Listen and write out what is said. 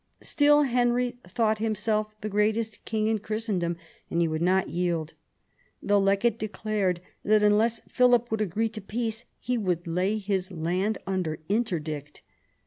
Still Henry thought himself the greatest king in Christendom, and he would not yield. The legate declared that unless Philip would agree to peace he would lay his land under interdict.